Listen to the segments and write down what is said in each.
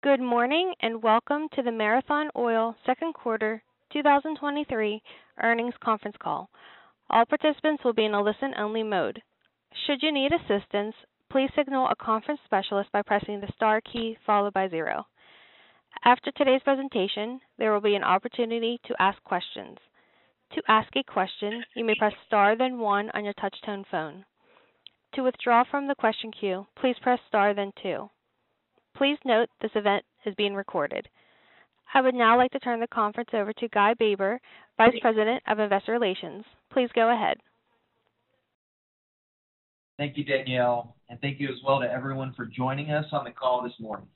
Good morning, and welcome to the Marathon Oil second quarter 2023 earnings conference call. All participants will be in a listen-only mode. Should you need assistance, please signal a conference specialist by pressing the star key followed by zero. After today's presentation, there will be an opportunity to ask questions. To ask a question, you may press Star, then one on your touchtone phone. To withdraw from the question queue, please press Star, then two. Please note, this event is being recorded. I would now like to turn the conference over to Guy Baber, Vice President of Investor Relations. Please go ahead. Thank you, Danielle, thank you as well to everyone for joining us on the call this morning.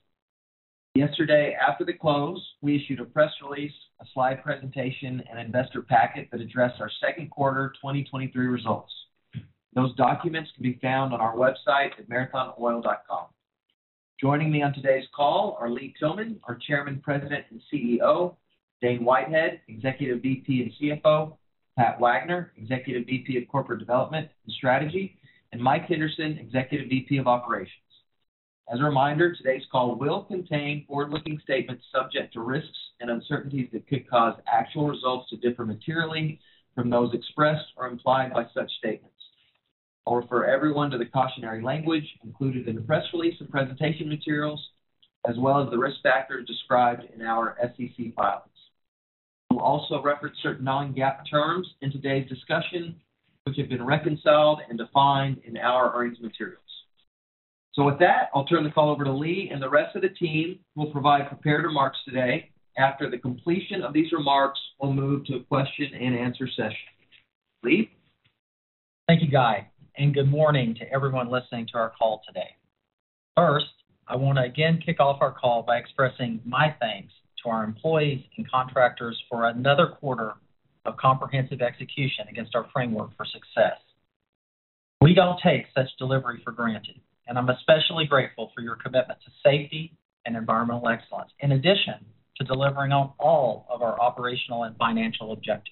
Yesterday, after the close, we issued a press release, a slide presentation, and investor packet that addressed our Q2 2023 results. Those documents can be found on our website at marathonoil.com. Joining me on today's call are Lee Tillman, our Chairman, President, and CEO, Dane Whitehead, Executive VP and CFO, Pat Wagner, Executive VP of Corporate Development and Strategy, and Mike Henderson, Executive VP of Operations. As a reminder, today's call will contain forward-looking statements subject to risks and uncertainties that could cause actual results to differ materially from those expressed or implied by such statements. I'll refer everyone to the cautionary language included in the press release and presentation materials, as well as the risk factors described in our SEC filings. We'll also reference certain non-GAAP terms in today's discussion, which have been reconciled and defined in our earnings materials. With that, I'll turn the call over to Lee, and the rest of the team will provide prepared remarks today. After the completion of these remarks, we'll move to a question-and-answer session. Lee? Thank you, Guy, and good morning to everyone listening to our call today. First, I want to again kick off our call by expressing my thanks to our employees and contractors for another quarter of comprehensive execution against our framework for success. We don't take such delivery for granted, and I'm especially grateful for your commitment to safety and environmental excellence, in addition to delivering on all of our operational and financial objectives.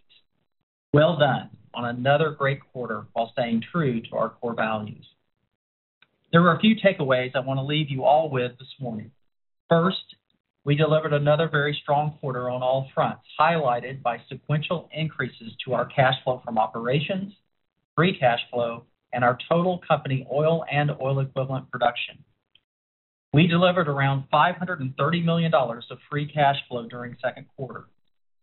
Well done on another great quarter while staying true to our core values. There are a few takeaways I want to leave you all with this morning. First, we delivered another very strong quarter on all fronts, highlighted by sequential increases to our cash flow from operations, free cash flow, and our total company oil and oil equivalent production. We delivered around $530 million of free cash flow during the second quarter,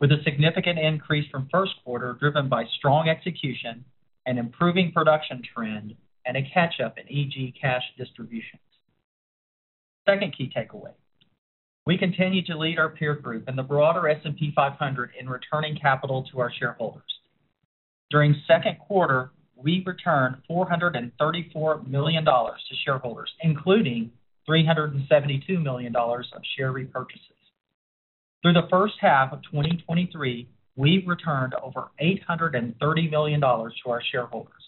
with a significant increase from first quarter, driven by strong execution and improving production trend and a catch-up in EG cash distributions. Second key takeaway, we continue to lead our peer group in the broader S&P 500 in returning capital to our shareholders. During the second quarter, we returned $434 million to shareholders, including $372 million of share repurchases. Through the first half of 2023, we've returned over $830 million to our shareholders,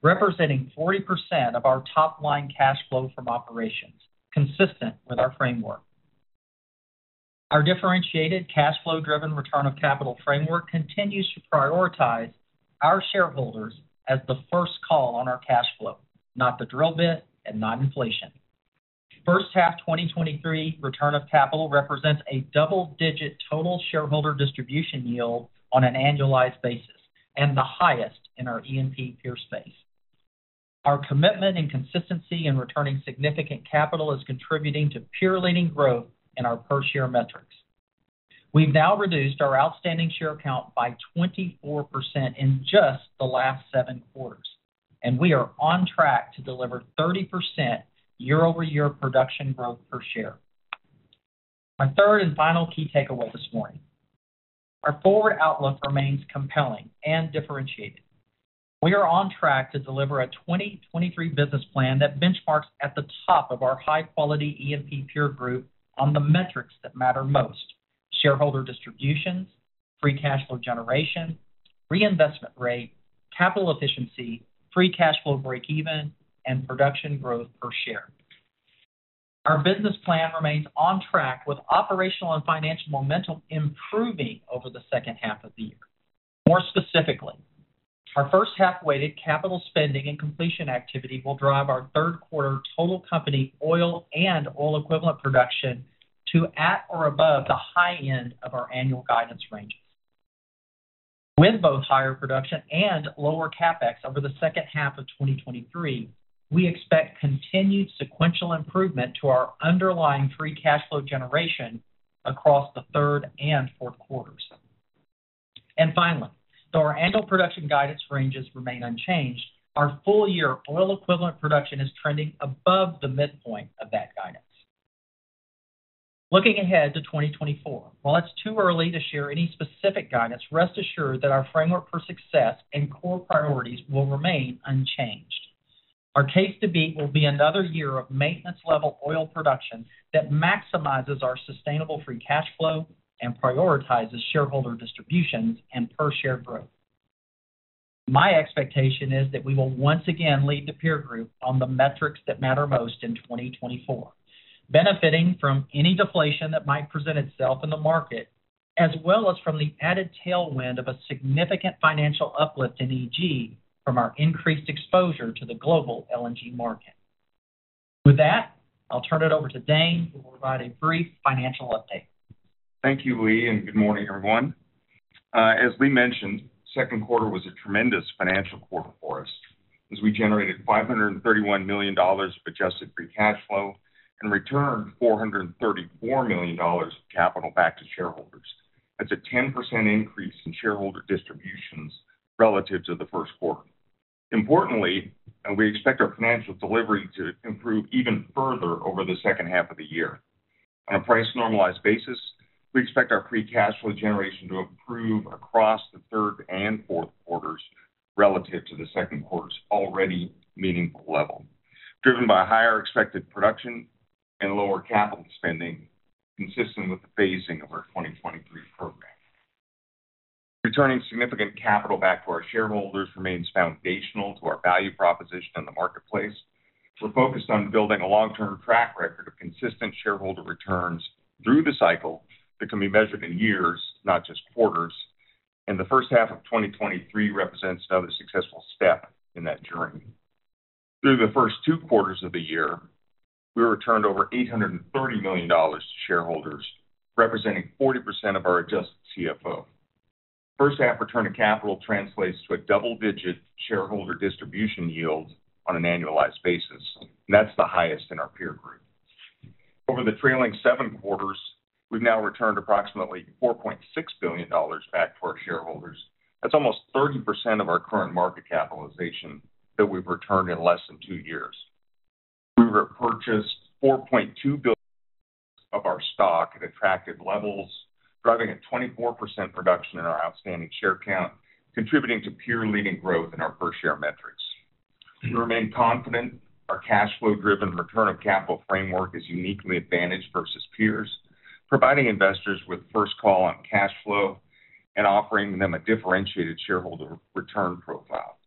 representing 40% of our top-line cash flow from operations, consistent with our framework. Our differentiated cash flow-driven return of capital framework continues to prioritize our shareholders as the first call on our cash flow, not the drill bit and not inflation. First half 2023 return of capital represents a double-digit total shareholder distribution yield on an annualized basis and the highest in our E&P peer space. Our commitment and consistency in returning significant capital is contributing to peer-leading growth in our per-share metrics. We've now reduced our outstanding share count by 24% in just the last 7 quarters. We are on track to deliver 30% year-over-year production growth per share. My third and final key takeaway this morning. Our forward outlook remains compelling and differentiated. We are on track to deliver a 2023 business plan that benchmarks at the top of our high-quality E&P peer group on the metrics that matter most: shareholder distributions, free cash flow generation, reinvestment rate, capital efficiency, free cash flow breakeven, and production growth per share. Our business plan remains on track, with operational and financial momentum improving over the second half of the year. More specifically, our first half-weighted capital spending and completion activity will drive our third quarter total company oil and oil equivalent production to at or above the high end of our annual guidance ranges. With both higher production and lower CapEx over the second half of 2023, we expect continued sequential improvement to our underlying free cash flow generation across the third and fourth quarters. Finally, though our annual production guidance ranges remain unchanged, our full-year oil equivalent production is trending above the midpoint of that guidance. Looking ahead to 2024, while it's too early to share any specific guidance, rest assured that our framework for success and core priorities will remain unchanged. Our case to beat will be another year of maintenance-level oil production that maximizes our sustainable free cash flow and prioritizes shareholder distributions and per-share growth. My expectation is that we will once again lead the peer group on the metrics that matter most in 2024, benefiting from any deflation that might present itself in the market... as well as from the added tailwind of a significant financial uplift in EG from our increased exposure to the global LNG market. With that, I'll turn it over to Dane, who will provide a brief financial upate. Thank you, Lee, and good morning, everyone. As Lee mentioned, second quarter was a tremendous financial quarter for us, as we generated $531 million of adjusted free cash flow and returned $434 million of capital back to shareholders. That's a 10% increase in shareholder distributions relative to the first quarter. Importantly, we expect our financial delivery to improve even further over the second half of the year. On a price-normalized basis, we expect our free cash flow generation to improve across the third and fourth quarters relative to the second quarter's already meaningful level, driven by higher expected production and lower capital spending, consistent with the phasing of our 2023 program. Returning significant capital back to our shareholders remains foundational to our value proposition in the marketplace. We're focused on building a long-term track record of consistent shareholder returns through the cycle that can be measured in years, not just quarters. The first half of 2023 represents another successful step in that journey. Through the first 2 quarters of the year, we returned over $830 million to shareholders, representing 40% of our adjusted CFO. First-half return of capital translates to a double-digit shareholder distribution yield on an annualized basis. That's the highest in our peer group. Over the trailing 7 quarters, we've now returned approximately $4.6 billion back to our shareholders. That's almost 30% of our current market capitalization that we've returned in less than 2 years. We repurchased $4.2 billion of our stock at attractive levels, driving a 24% reduction in our outstanding share count, contributing to peer-leading growth in our per-share metrics. We remain confident our cash flow-driven return of capital framework is uniquely advantaged versus peers, providing investors with first call on cash flow and offering them a differentiated shareholder return profile.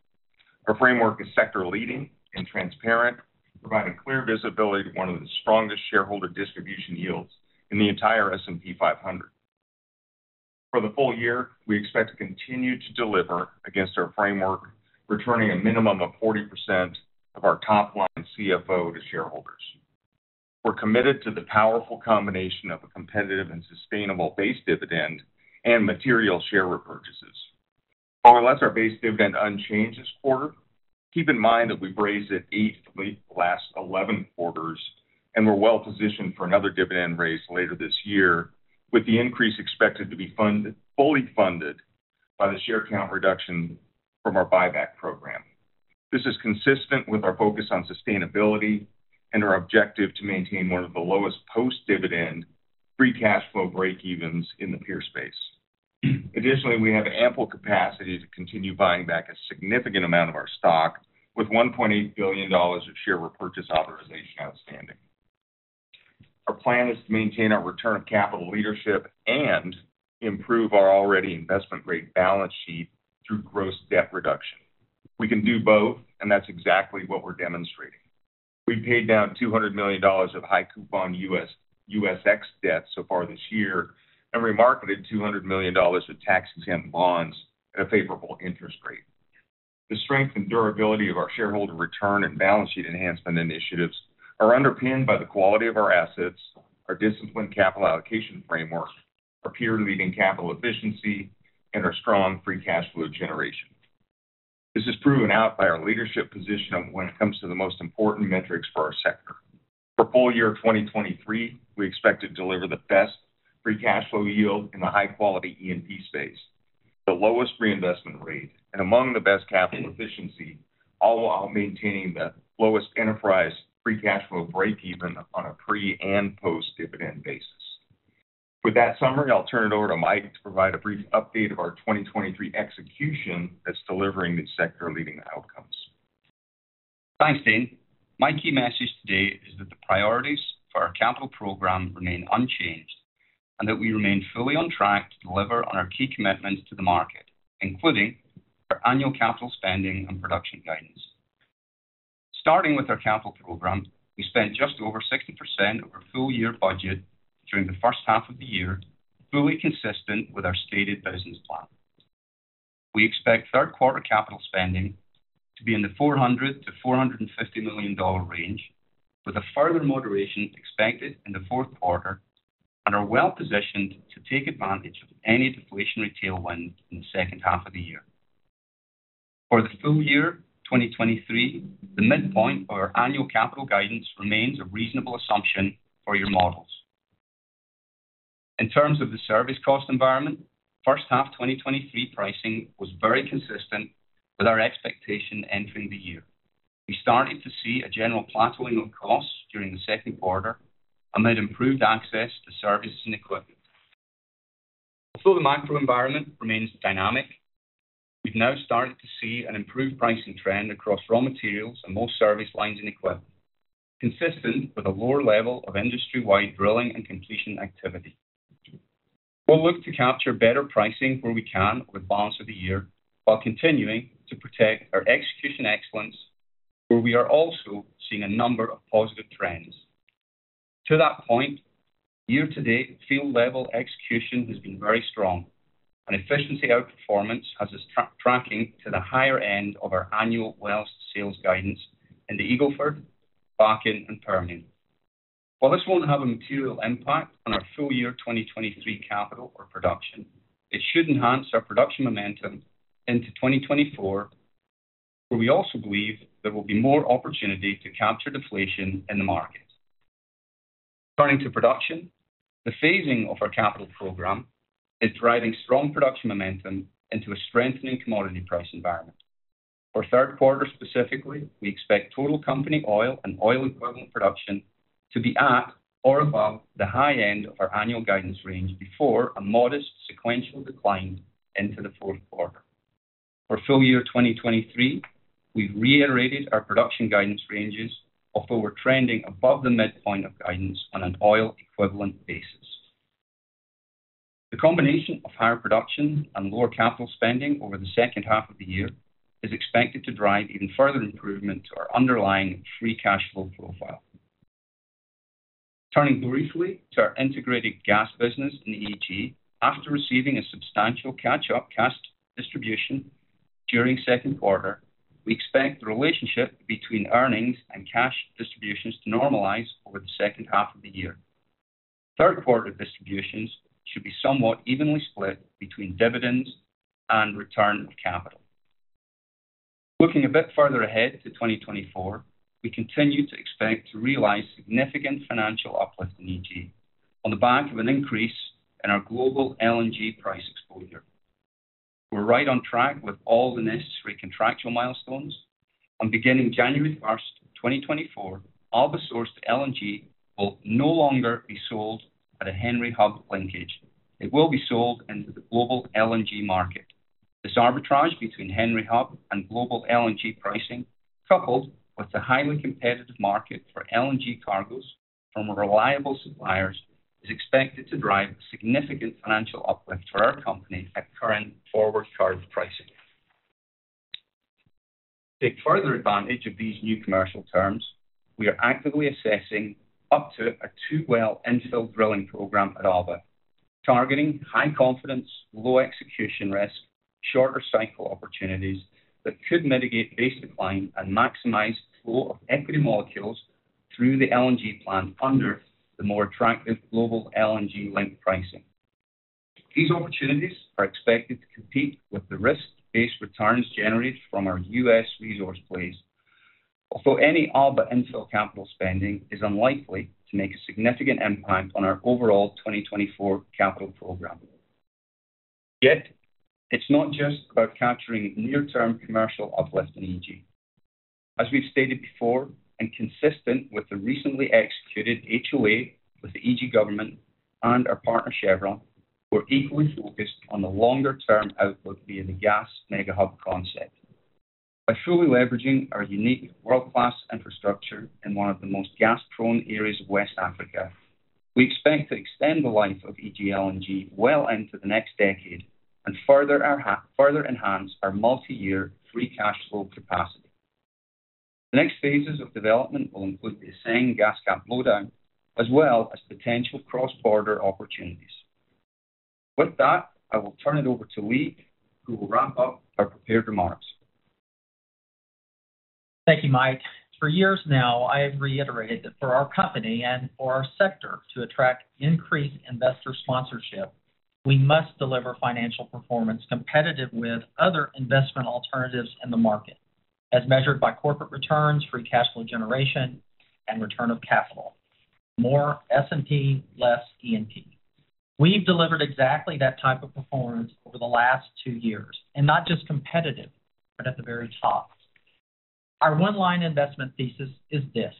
Our framework is sector-leading and transparent, providing clear visibility to one of the strongest shareholder distribution yields in the entire S&P 500. For the full year, we expect to continue to deliver against our framework, returning a minimum of 40% of our top-line CFO to shareholders. We're committed to the powerful combination of a competitive and sustainable base dividend and material share repurchases. While we left our base dividend unchanged this quarter, keep in mind that we've raised it 8 of the last 11 quarters, and we're well positioned for another dividend raise later this year, with the increase expected to be fully funded by the share count reduction from our buyback program. This is consistent with our focus on sustainability and our objective to maintain one of the lowest post-dividend free cash flow breakevens in the peer space. Additionally, we have ample capacity to continue buying back a significant amount of our stock, with $1.8 billion of share repurchase authorization outstanding. Our plan is to maintain our return of capital leadership and improve our already investment-grade balance sheet through gross debt reduction. We can do both, and that's exactly what we're demonstrating. We paid down $200 million of high-coupon U.S., USX debt so far this year, and we marketed $200 million of tax-exempt bonds at a favorable interest rate. The strength and durability of our shareholder return and balance sheet enhancement initiatives are underpinned by the quality of our assets, our disciplined capital allocation framework, our peer-leading capital efficiency, and our strong free cash flow generation. This is proven out by our leadership position when it comes to the most important metrics for our sector. For full year 2023, we expect to deliver the best free cash flow yield in the high-quality E&P space, the lowest reinvestment rate, and among the best capital efficiency, all while maintaining the lowest enterprise free cash flow breakeven on a pre-and post-dividend basis. With that summary, I'll turn it over to Mike to provide a brief update of our 2023 execution that's delivering these sector-leading outcomes. Thanks, Dane. My key message today is that the priorities for our capital program remain unchanged, and that we remain fully on track to deliver on our key commitments to the market, including our annual capital spending and production guidance. Starting with our capital program, we spent just over 60% of our full year budget during the first half of the year, fully consistent with our stated business plan. We expect third quarter capital spending to be in the $400 million-$450 million range, with a further moderation expected in the fourth quarter, and are well positioned to take advantage of any deflationary tailwind in the second half of the year. For the full year 2023, the midpoint of our annual capital guidance remains a reasonable assumption for your models. In terms of the service cost environment, first half 2023 pricing was very consistent with our expectation entering the year. We started to see a general plateauing of costs during the second quarter amid improved access to services and equipment. Although the macro environment remains dynamic, we've now started to see an improved pricing trend across raw materials and most service lines and equipment, consistent with a lower level of industry-wide drilling and completion activity. We'll look to capture better pricing where we can over the balance of the year, while continuing to protect our execution excellence, where we are also seeing a number of positive trends. To that point, year-to-date field level execution has been very strong, and efficiency outperformance has us tracking to the higher end of our annual wells sales guidance in the Eagle Ford, Bakken, and Permian. While this won't have a material impact on our full-year 2023 capital or production, it should enhance our production momentum into 2024, where we also believe there will be more opportunity to capture deflation in the market. Turning to production, the phasing of our capital program is driving strong production momentum into a strengthening commodity price environment. For third quarter specifically, we expect total company oil and oil equivalent production to be at or above the high end of our annual guidance range before a modest sequential decline into the fourth quarter. For full-year 2023, we've reiterated our production guidance ranges, although we're trending above the midpoint of guidance on an oil-equivalent basis. The combination of higher production and lower capital spending over the second half of the year is expected to drive even further improvement to our underlying free cash flow profile. Turning briefly to our integrated gas business in EG, after receiving a substantial catch-up cash distribution during second quarter, we expect the relationship between earnings and cash distributions to normalize over the second half of the year. Third quarter distributions should be somewhat evenly split between dividends and return of capital. Looking a bit further ahead to 2024, we continue to expect to realize significant financial uplift in EG on the back of an increase in our global LNG price exposure. We're right on track with all the necessary contractual milestones, and beginning January first, 2024, Alba-sourced LNG will no longer be sold at a Henry Hub linkage. It will be sold into the global LNG market. This arbitrage between Henry Hub and global LNG pricing, coupled with the highly competitive market for LNG cargoes from reliable suppliers, is expected to drive significant financial uplift for our company at current forward charge pricing. To take further advantage of these new commercial terms, we are actively assessing up to a two-well infill drilling program at Alba, targeting high confidence, low execution risk, shorter cycle opportunities that could mitigate base decline and maximize flow of equity molecules through the LNG plant under the more attractive global LNG-linked pricing. These opportunities are expected to compete with the risk-based returns generated from our U.S. resource plays, although any Alba infill capital spending is unlikely to make a significant impact on our overall 2024 capital program. Yet, it's not just about capturing near-term commercial uplift in EG. As we've stated before, and consistent with the recently executed HOA with the EG government and our partner, Chevron, we're equally focused on the longer-term outlook via the gas mega hub concept. By fully leveraging our unique world-class infrastructure in one of the most gas-prone areas of West Africa, we expect to extend the life of EG LNG well into the next decade and further enhance our multi-year free cash flow capacity. The next phases of development will include the Aseng gas cap blowdown, as well as potential cross-border opportunities. With that, I will turn it over to Lee, who will wrap up our prepared remarks. Thank you, Mike. For years now, I have reiterated that for our company and for our sector to attract increased investor sponsorship, we must deliver financial performance competitive with other investment alternatives in the market, as measured by corporate returns, free cash flow generation, and return of capital. More S&P, less E&P. We've delivered exactly that type of performance over the last two years, and not just competitive, but at the very top. Our one-line investment thesis is this: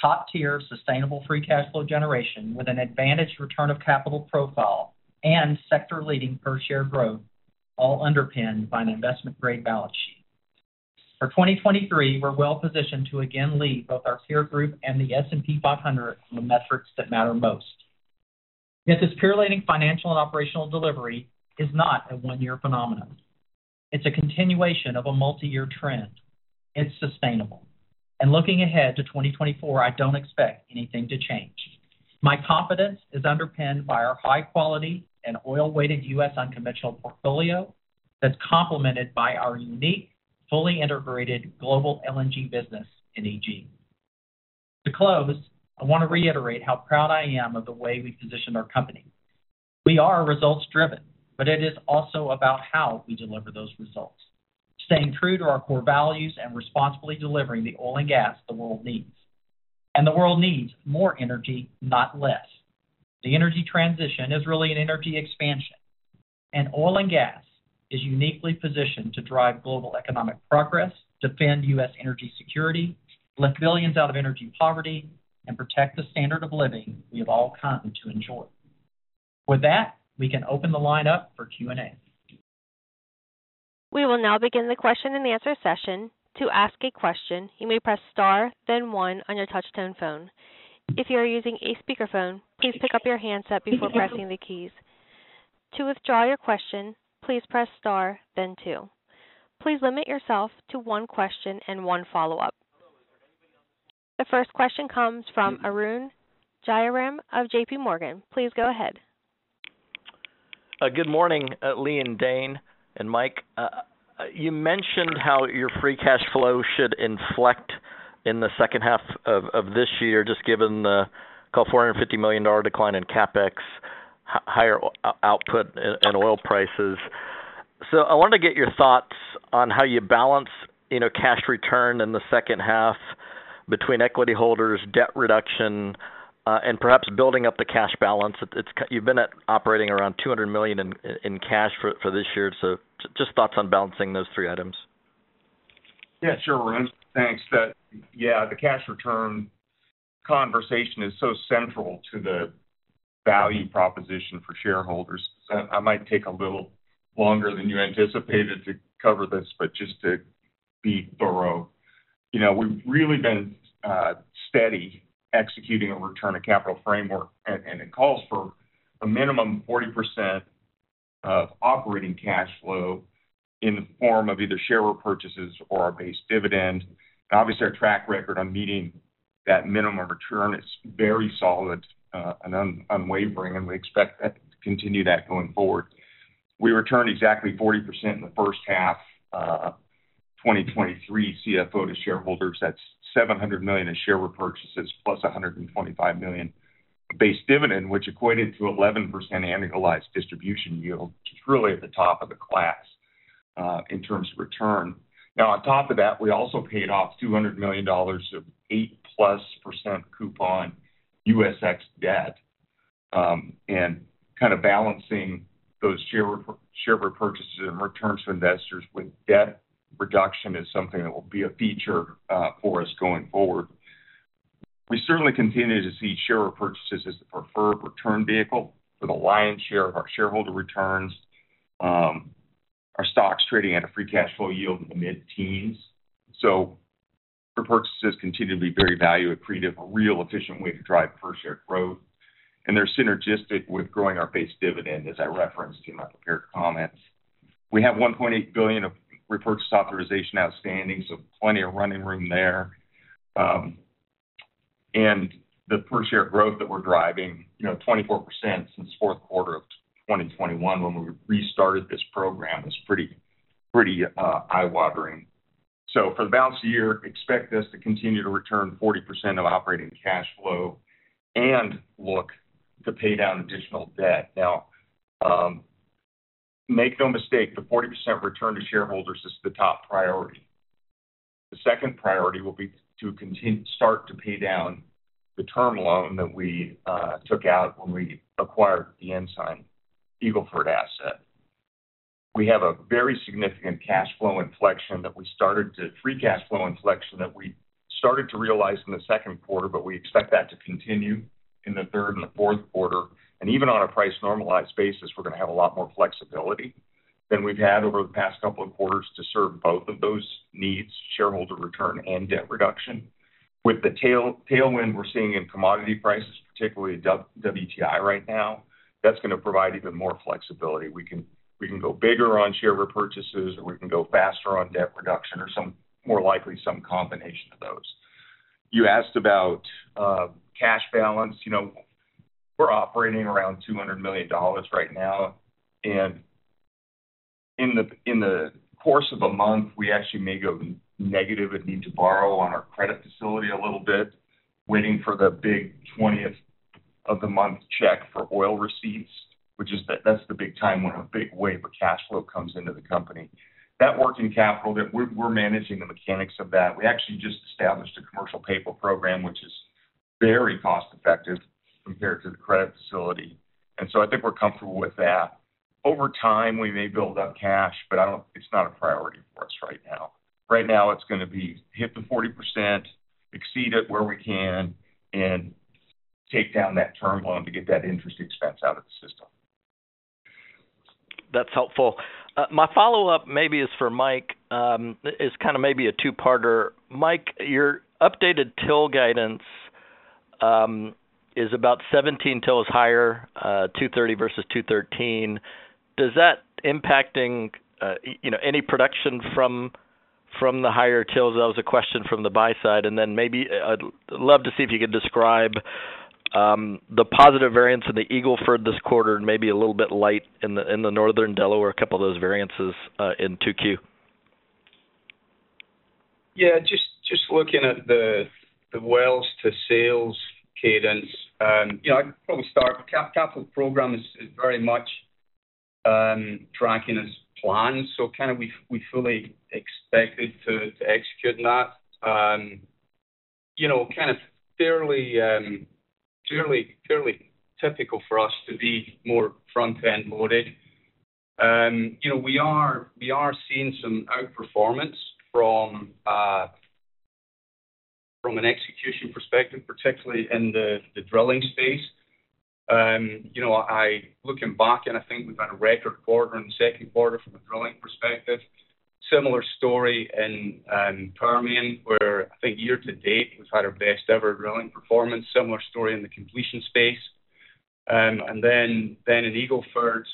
top-tier, sustainable free cash flow generation with an advantaged return of capital profile and sector-leading per-share growth, all underpinned by an investment-grade balance sheet. For 2023, we're well positioned to again lead both our peer group and the S&P 500 in the metrics that matter most. This peer-leading financial and operational delivery is not a one-year phenomenon. It's a continuation of a multi-year trend. It's sustainable. Looking ahead to 2024, I don't expect anything to change. My confidence is underpinned by our high quality and oil-weighted U.S. unconventional portfolio that's complemented by our unique, fully integrated global LNG business in EG. To close, I want to reiterate how proud I am of the way we've positioned our company. We are results driven, but it is also about how we deliver those results. Staying true to our core values and responsibly delivering the oil and gas the world needs. The world needs more energy, not less. The energy transition is really an energy expansion, and oil and gas is uniquely positioned to drive global economic progress, defend U.S. energy security, lift billions out of energy poverty, and protect the standard of living we have all come to enjoy. With that, we can open the line up for Q&A. We will now begin the question-and-answer session. To ask a question, you may press star then one on your touchtone phone. If you are using a speakerphone, please pick up your handset before pressing the keys.... To withdraw your question, please press Star, then two. Please limit yourself to one question and one follow-up. The first question comes from Arun Jayaram of JPMorgan. Please go ahead. Good morning, Lee and Dane and Mike. You mentioned how your free cash flow should inflect in the second half of this year, just given the, call, $450 million decline in CapEx, higher output and oil prices. I wanted to get your thoughts on how you balance, you know, cash return in the second half between equity holders, debt reduction, and perhaps building up the cash balance. You've been operating around $200 million in cash for this year. Just thoughts on balancing those three items. Yeah, sure, Arun. Thanks. The cash return conversation is so central to the value proposition for shareholders. I might take a little longer than you anticipated to cover this, but just to be thorough. You know, we've really been steady executing a return of capital framework, and it calls for a minimum 40% of operating cash flow in the form of either share repurchases or our base dividend. Obviously, our track record on meeting that minimum return is very solid, and unwavering, and we expect that to continue that going forward. We returned exactly 40% in the first half of 2023, CFO to shareholders. That's $700 million in share repurchases, plus a $125 million base dividend, which equated to 11% annualized distribution yield, which is really at the top of the class in terms of return. On top of that, we also paid off $200 million of 8%+ coupon USX debt, and kind of balancing those share repurchases and returns to investors with debt reduction is something that will be a feature for us going forward. We certainly continue to see share repurchases as the preferred return vehicle for the lion's share of our shareholder returns. Our stock's trading at a free cash flow yield in the mid-teens, so repurchases continue to be very value accretive, a real efficient way to drive per-share growth, and they're synergistic with growing our base dividend, as I referenced in my prepared comments. We have $1.8 billion of repurchased authorization outstanding, so plenty of running room there. And the per-share growth that we're driving, you know, 24% since fourth quarter of 2021 when we restarted this program, is pretty, pretty, eye-watering. For the balance of the year, expect us to continue to return 40% of operating cash flow and look to pay down additional debt. Make no mistake, the 40% return to shareholders is the top priority. The second priority will be to start to pay down the term loan that we took out when we acquired the Ensign Eagle Ford asset. We have a very significant free cash flow inflection that we started to realize in the second quarter, but we expect that to continue in the third and fourth quarter. Even on a price-normalized basis, we're gonna have a lot more flexibility than we've had over the past two quarters to serve both of those needs, shareholder return and debt reduction. With the tail, tailwind we're seeing in commodity prices, particularly W- WTI right now, that's gonna provide even more flexibility. We can, we can go bigger on share repurchases, or we can go faster on debt reduction, or some-- more likely, some combination of those. You asked about cash balance. You know, we're operating around $200 million right now, and in the, in the course of a month, we actually may go negative and need to borrow on our credit facility a little bit, waiting for the big twentieth-of-the-month check for oil receipts, which is the-- that's the big time when a big wave of cash flow comes into the company. That working capital, that we're, we're managing the mechanics of that. We actually just established a commercial paper program, which is very cost-effective compared to the credit facility, and so I think we're comfortable with that. Over time, we may build up cash, but it's not a priority for us right now. Right now, it's gonna be hit the 40%, exceed it where we can, and take down that term loan to get that interest expense out of the system. That's helpful. My follow-up maybe is for Mike, is kind of maybe a two-parter. Mike, your updated till guidance, is about 17 tills higher, 230 versus 213. Does that impacting, you know, any production from, from the higher tills? That was a question from the buy side. Then maybe I'd love to see if you could describe, the positive variance in the Eagle Ford this quarter, and maybe a little bit light in the, in the Northern Delaware, a couple of those variances, in 2Q. Yeah, just, just looking at the, the wells to sales cadence, you know, I'd probably start, the capital program is, is very much, tracking as planned, so kind of we, we fully expected to, to execute on that. You know, kind of fairly, fairly, fairly typical for us to be more front-end loaded. You know, we are, we are seeing some outperformance from, from an execution perspective, particularly in the, the drilling space. You know, looking back, and I think we've had a record quarter in the second quarter from a drilling perspective. Similar story in Permian, where I think year to date, we've had our best ever drilling performance. Similar story in the completion space. Then, then in Eagle Ford,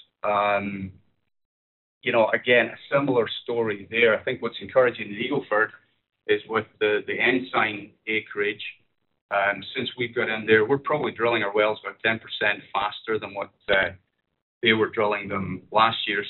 you know, again, a similar story there. I think what's encouraging in Eagle Ford is with the, the Ensign acreage, since we've got in there, we're probably drilling our wells about 10% faster than what they were drilling them last year.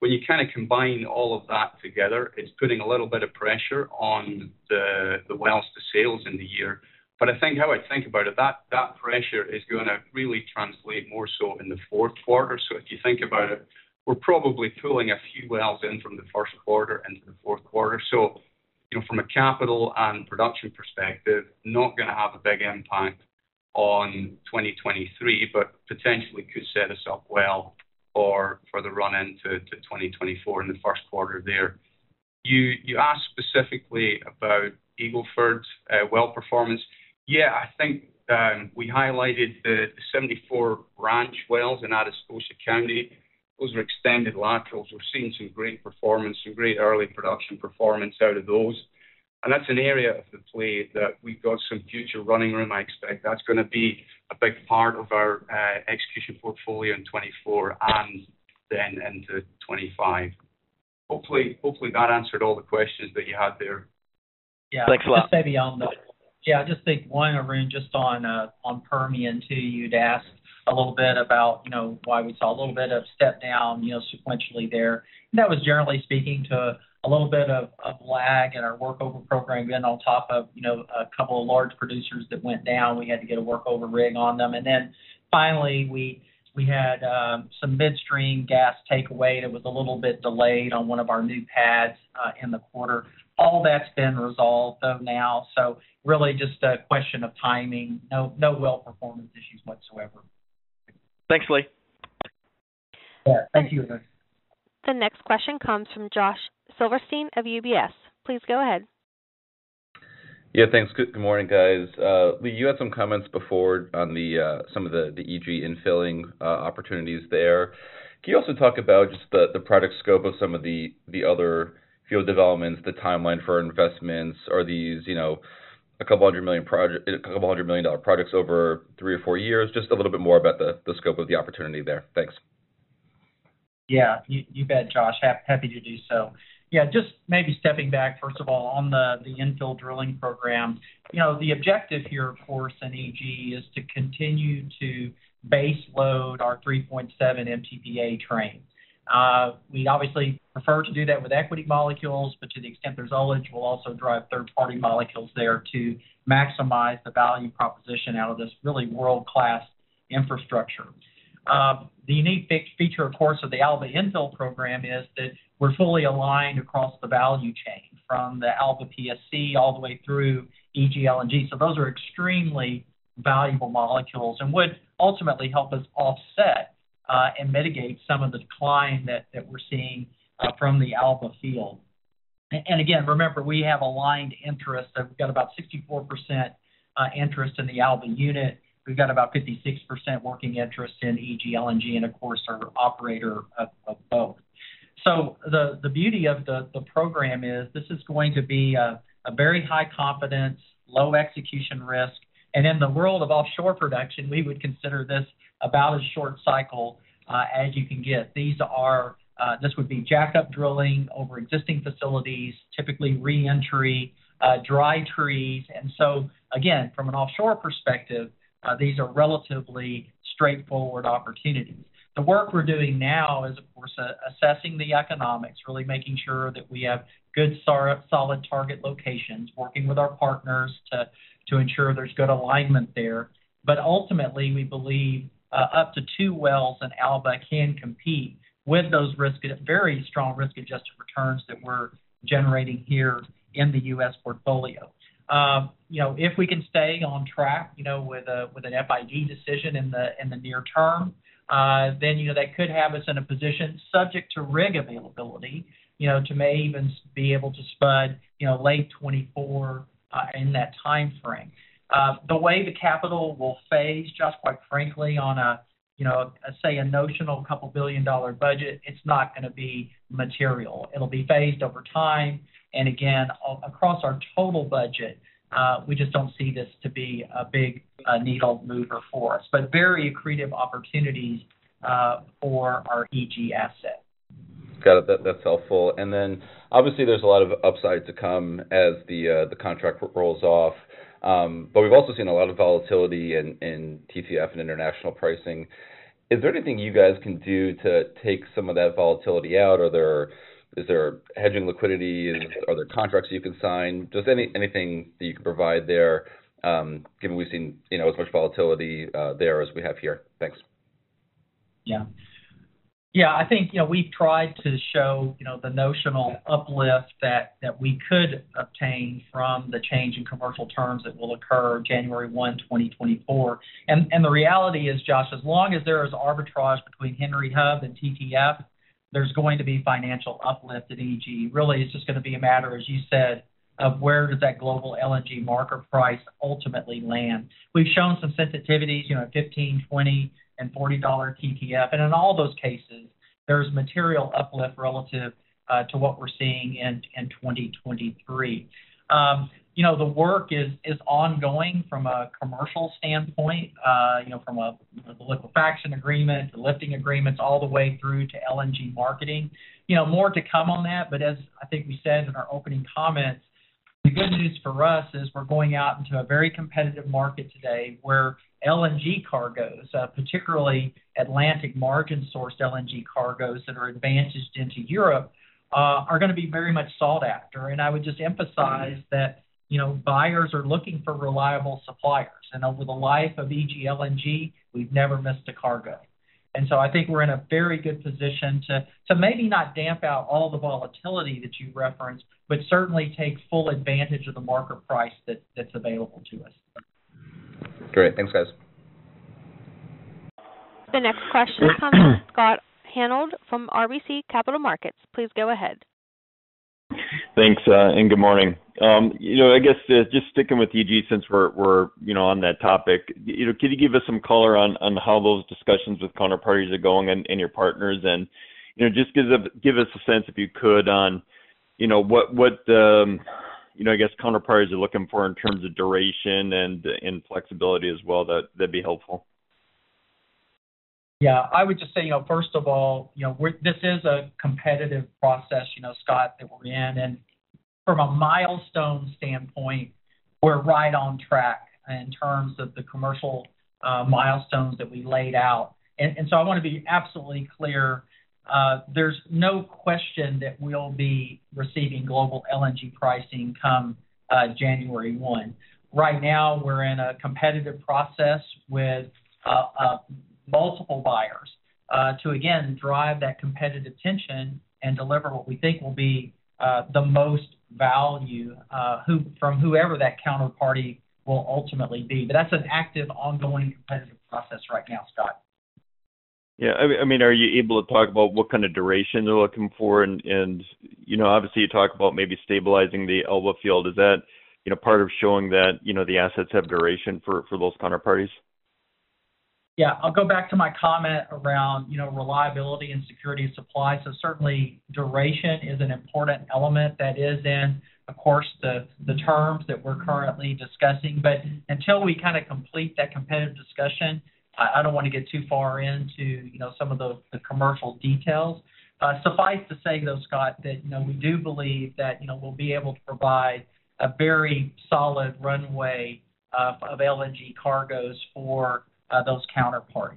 When you kind of combine all of that together, it's putting a little bit of pressure on the, the wells to sales in the year. I think how I think about it, that, that pressure is gonna really translate more so in the fourth quarter. If you think about it, we're probably pulling a few wells in from the first quarter into the fourth quarter. You know, from a capital and production perspective, not gonna have a big impact on 2023, but potentially could set us up well for, for the run into to 2024 in the first quarter there. You, you asked specifically about Eagle Ford's well performance. Yeah, I think, we highlighted the 74 Ranch wells in Atascosa County. Those are extended laterals. We're seeing some great performance, some great early production performance out of those. That's an area of the play that we've got some future running room. I expect that's gonna be a big part of our execution portfolio in 2024 and then into 2025. Hopefully, hopefully, that answered all the questions that you had there. Yeah. Thanks a lot. Maybe on the-- Yeah, I just think, one, Arun, just on Permian, too, you'd asked a little bit about, you know, why we saw a little bit of step down, you know, sequentially there. That was generally speaking to a little bit of, of lag in our workover program, again, on top of, you know, a couple of large producers that went down. We had to get a workover rig on them. Then finally, we, we had some midstream gas takeaway that was a little bit delayed on one of our new pads in the quarter. All that's been resolved though now, so really just a question of timing. No, no well performance issues whatsoever. Thanks, Lee. Yeah. Thank you. The next question comes from Josh Silverstein of UBS. Please go ahead. Yeah, thanks. Good morning, guys. Lee, you had some comments before on the some of the EG infilling opportunities there. Can you also talk about just the product scope of some of the other field developments, the timeline for investments? Are these, you know, $200 million projects over 3 or 4 years? Just a little bit more about the scope of the opportunity there. Thanks. Yeah, you, you bet, Josh. Happy to do so. Yeah, just maybe stepping back, first of all, on the infill drilling program. You know, the objective here, of course, in EG, is to continue to base load our 3.7 MTPA train. We'd obviously prefer to do that with equity molecules, but to the extent there's owns, we'll also drive third-party molecules there to maximize the value proposition out of this really world-class infrastructure. The unique feature, of course, of the Alba infill program is that we're fully aligned across the value chain, from the Alba PSC all the way through EG LNG. Those are extremely valuable molecules and would ultimately help us offset and mitigate some of the decline that we're seeing from the Alba field. Again, remember, we have aligned interests. We've got about 64% interest in the Alba unit. We've got about 56% working interest in EG LNG, and of course, are operator of both. The beauty of the program is this is going to be a very high confidence, low execution risk, and in the world of offshore production, we would consider this about as short cycle as you can get. This would be jacked up drilling over existing facilities, typically re-entry, dry trees. Again, from an offshore perspective, these are relatively straightforward opportunities. The work we're doing now is, of course, assessing the economics, really making sure that we have good solid target locations, working with our partners to ensure there's good alignment there. Ultimately, we believe, up to 2 wells in Alba can compete with those very strong risk-adjusted returns that we're generating here in the U.S. portfolio. You know, if we can stay on track, you know, with an FID decision in the near term, then, you know, that could have us in a position subject to rig availability, you know, to may even be able to spud, you know, late 2024 in that timeframe. The way the capital will phase, just quite frankly, on a, you know, say a notional couple billion dollar budget, it's not gonna be material. It'll be phased over time. Again, across our total budget, we just don't see this to be a big needle mover for us, but very accretive opportunities for our EG asset. Got it. That, that's helpful. Then, obviously, there's a lot of upside to come as the, the contract rolls off. We've also seen a lot of volatility in, in TTF and international pricing. Is there anything you guys can do to take some of that volatility out, or is there hedging liquidity? Are there contracts you can sign? Just anything that you can provide there, given we've seen, you know, as much volatility there as we have here. Thanks. Yeah. Yeah, I think we've tried to show, you know, the notional uplift that we could obtain from the change in commercial terms that will occur January 1, 2024. The reality is, Josh, as long as there is arbitrage between Henry Hub and TTF, there's going to be financial uplift at EG. Really, it's just gonna be a matter, as you said, of where does that global LNG market price ultimately land? We've shown some sensitivities, you know, $15, $20, and $40 TTF, and in all those cases, there's material uplift relative to what we're seeing in 2023. You know, the work is ongoing from a commercial standpoint, you know, from a liquefaction agreement to lifting agreements, all the way through to LNG marketing. You know, more to come on that. As I think we said in our opening comments, the good news for us is we're going out into a very competitive market today, where LNG cargoes, particularly Atlantic margin-sourced LNG cargoes that are advantaged into Europe, are gonna be very much sought after. I would just emphasize that, you know, buyers are looking for reliable suppliers. Over the life of EG LNG, we've never missed a cargo. So I think we're in a very good position to, to maybe not damp out all the volatility that you've referenced, but certainly take full advantage of the market price that, that's available to us. Great. Thanks, guys. The next question comes from Scott Hanold from RBC Capital Markets. Please go ahead. Thanks. Good morning. You know, I guess just, just sticking with EG, since we're, we're, you know, on that topic. You know, can you give us some color on, on how those discussions with counterparties are going and, and your partners? You know, just give us a, give us a sense, if you could, on, you know, what, what, you know, I guess, counterparties are looking for in terms of duration and, and flexibility as well. That'd be helpful. Yeah. I would just say, you know, first of all, you know, this is a competitive process, you know, Scott, that we're in. From a milestone standpoint, we're right on track in terms of the commercial milestones that we laid out. I want to be absolutely clear, there's no question that we'll be receiving global LNG pricing come January 1. Right now, we're in a competitive process with multiple buyers to again, drive that competitive tension and deliver what we think will be the most value from whoever that counterparty will ultimately be. That's an active, ongoing, competitive process right now, Scott. Yeah. I, I mean, are you able to talk about what kind of duration you're looking for? You know, obviously, you talk about maybe stabilizing the Alba field. Is that, you know, part of showing that, you know, the assets have duration for, for those counterparties? Yeah. I'll go back to my comment around, you know, reliability and security of supply. Certainly, duration is an important element that is in, of course, the, the terms that we're currently discussing. Until we kind of complete that competitive discussion, I don't want to get too far into, you know, some of the, the commercial details. Suffice to say, though, Scott, that, you know, we do believe that, you know, we'll be able to provide a very solid runway of, of LNG cargoes for those counterparties.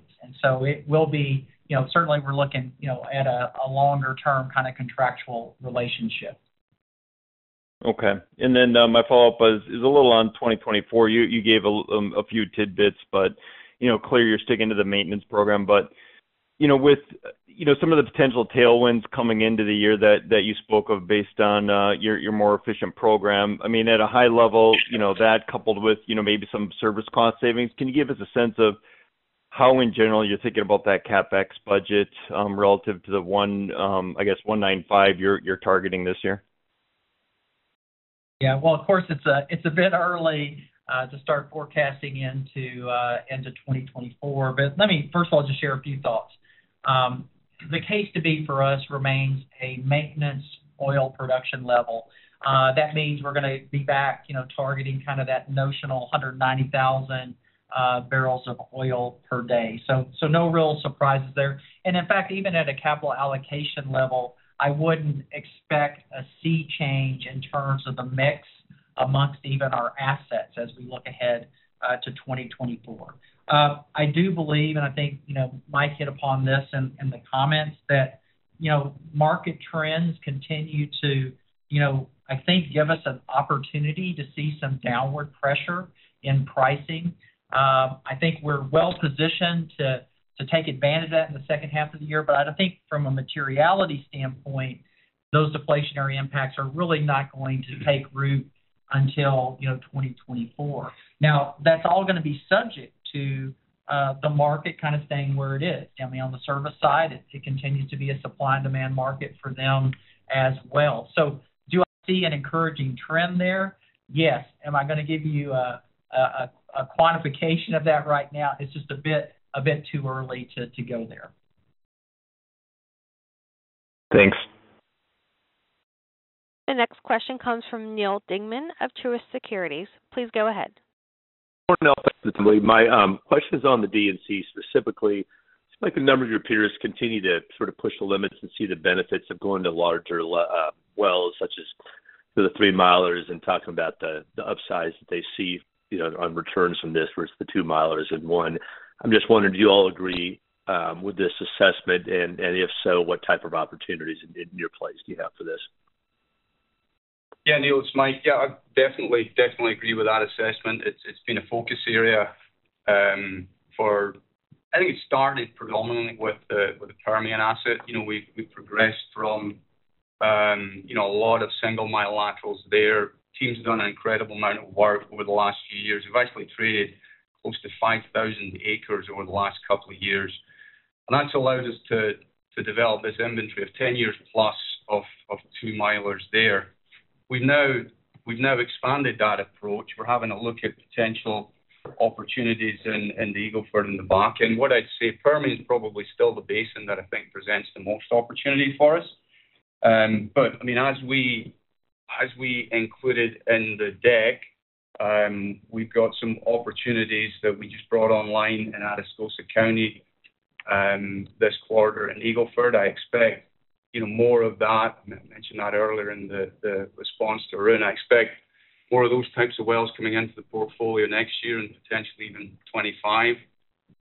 You know, certainly we're looking, you know, at a, a longer-term kind of contractual relationship. Okay. Then, my follow-up was, is a little on 2024. You, you gave a few tidbits, but, you know, clear you're sticking to the maintenance program. With, you know, some of the potential tailwinds coming into the year that, that you spoke of based on, your, your more efficient program. I mean, at a high level, you know, that coupled with, you know, maybe some service cost savings, can you give us a sense of how, in general, you're thinking about that CapEx budget, relative to the one, I guess, $195, you're, you're targeting this year? Yeah. Well, of course, it's a, it's a bit early to start forecasting into 2024, but let me first of all just share a few thoughts. The case to be for us remains a maintenance oil production level. That means we're gonna be back, you know, targeting kind of that notional 190,000 barrels of oil per day, so, so no real surprises there. In fact, even at a capital allocation level, I wouldn't expect a sea change in terms of the mix amongst even our assets as we look ahead to 2024. I do believe, and I think, you know, Mike hit upon this in, in the comments, that, you know, market trends continue to, you know, I think, give us an opportunity to see some downward pressure in pricing. I think we're well positioned to, to take advantage of that in the second half of the year. I think from a materiality standpoint, those deflationary impacts are really not going to take root until, you know, 2024. That's all gonna be subject to the market kind of staying where it is. I mean, on the service side, it continues to be a supply and demand market for them as well. Do I see an encouraging trend there? Yes. Am I gonna give you a quantification of that right now? It's just a bit too early to go there. Thanks. The next question comes from Neal Dingmann of Truist Securities. Please go ahead. My question is on the DNC specifically? It seems like a number of your peers continue to sort of push the limits and see the benefits of going to larger wells, such as the 3-milers, and talking about the, the upsides that they see, you know, on returns from this versus the 2-milers. I'm just wondering, do you all agree with this assessment? If so, what type of opportunities in your place do you have for this? Yeah, Neal, it's Mike. Yeah, I definitely, definitely agree with that assessment. It's, it's been a focus area. I think it started predominantly with the, with the Permian asset. You know, we've, we've progressed from, you know, a lot of single-mile laterals there. Team's done an incredible amount of work over the last few years. We've actually traded close to 5,000 acres over the last couple of years. That's allowed us to, to develop this inventory of 10 years plus of, of 2-milers there. We've now, we've now expanded that approach. We're having a look at potential opportunities in, in the Eagle Ford and the Bakken. What I'd say, Permian is probably still the basin that I think presents the most opportunity for us. As we, as we included in the deck, we've got some opportunities that we just brought online in Atascosa County this quarter in Eagle Ford. I expect, you know, more of that. I mentioned that earlier in the response to Arun. I expect more of those types of wells coming into the portfolio next year and potentially even 25.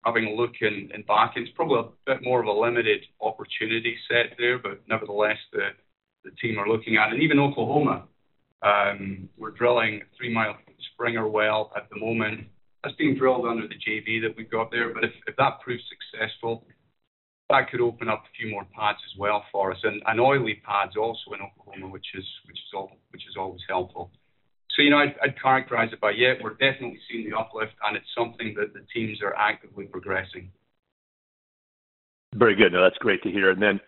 Having a look in Bakken, it's probably a bit more of a limited opportunity set there, but nevertheless, the team are looking at. Even Oklahoma, we're drilling a 3-mile Springer well at the moment. That's being drilled under the JV that we've got there. If that proves successful, that could open up a few more pads as well for us, and oily pads also in Oklahoma, which is always helpful. You know, I'd, I'd characterize it by, yeah, we're definitely seeing the uplift, and it's something that the teams are actively progressing. Very good. No, that's great to hear. Then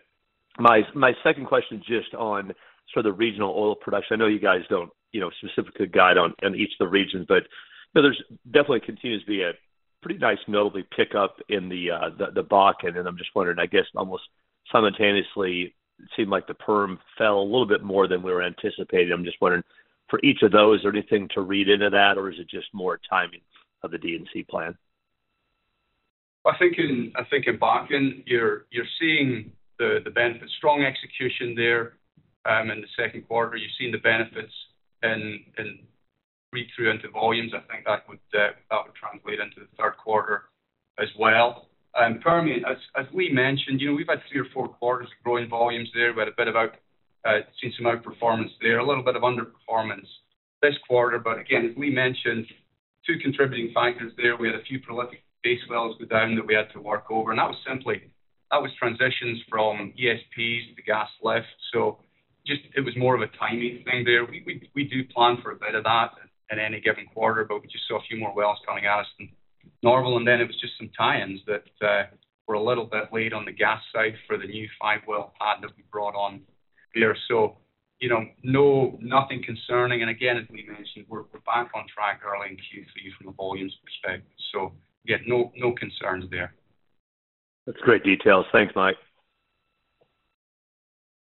my, my second question, just on sort of the regional oil production. I know you guys don't, you know, specifically guide on, on each of the regions, but there's definitely continues to be a pretty nice notably pickup in the Bakken. I'm just wondering, I guess, almost simultaneously, it seemed like the Perm fell a little bit more than we were anticipating. I'm just wondering, for each of those, is there anything to read into that, or is it just more timing of the DNC plan? I think in, I think in Bakken, you're, you're seeing the, the benefit, strong execution there, in the second quarter. You've seen the benefits in, in read through into volumes. I think that would translate into the third quarter as well. Permian, as, as Lee mentioned, you know, we've had 3 or 4 quarters of growing volumes there. We had a bit of out, seen some outperformance there, a little bit of underperformance this quarter. Again, as Lee mentioned, 2 contributing factors there. We had a few prolific base wells go down that we had to work over, and that was simply-- that was transitions from ESPs to gas lift. Just it was more of a timing thing there. We do plan for a bit of that in any given quarter. We just saw a few more wells coming at us than normal. Then it was just some tie-ins that were a little bit late on the gas side for the new 5-well pad that we brought on there. You know, no, nothing concerning. Again, as Lee mentioned, we're back on track early in Q3 from a volumes perspective. Yeah, no, no concerns there. That's great details. Thanks, Mike.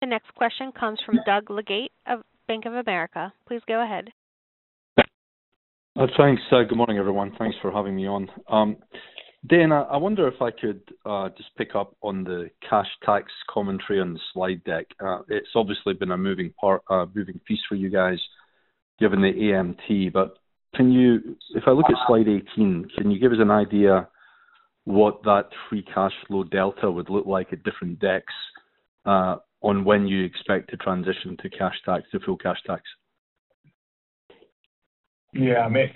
The next question comes from Doug Leggate of Bank of America. Please go ahead. Thanks. Good morning, everyone. Thanks for having me on. Dan, I, I wonder if I could just pick up on the cash tax commentary on the slide deck. It's obviously been a moving part, a moving piece for you guys, given the AMT. But can you-- if I look at slide 18, can you give us an idea what that free cash flow delta would look like at different decks, on when you expect to transition to cash tax, to full cash tax? Yeah, I may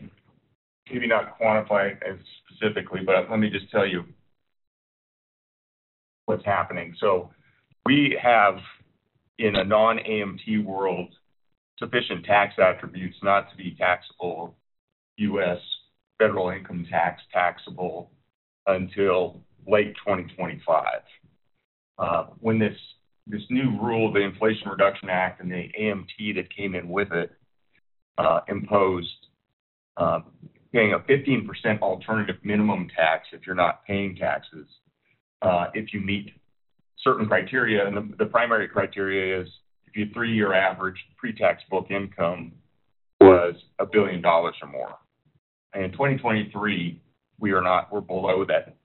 maybe not quantify it specifically, but let me just tell you what's happening. We have, in a non-AMT world, sufficient tax attributes not to be taxable, US federal income tax taxable until late 2025. When this, this new rule, the Inflation Reduction Act and the AMT that came in with it, imposed paying a 15% alternative minimum tax if you're not paying taxes, if you meet certain criteria. The primary criteria is if your 3-year average pre-taxable income was $1 billion or more. In 2023, we are not, we're below that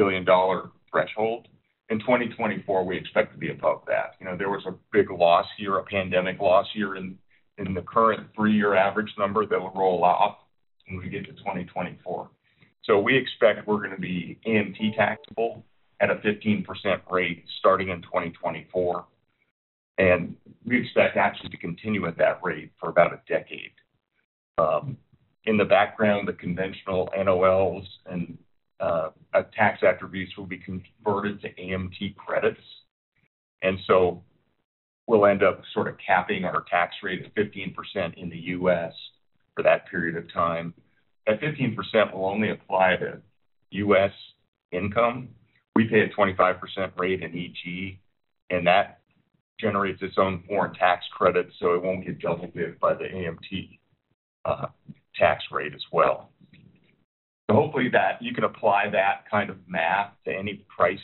$1 billion threshold. In 2024, we expect to be above that. You know, there was a big loss year, a pandemic loss year in, in the current 3-year average number that would roll off when we get to 2024. We expect we're gonna be AMT taxable at a 15% rate starting in 2024, and we expect actually to continue at that rate for about a decade. In the background, the conventional NOLs and tax attributes will be converted to AMT credits, and so we'll end up sort of capping our tax rate at 15% in the U.S. for that period of time. That 15% will only apply to U.S. income. We pay a 25% rate in EG, and that generates its own foreign tax credit, so it won't get double dipped by the AMT tax rate as well. Hopefully, that, you can apply that kind of math to any price